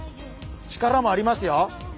力もありますよ。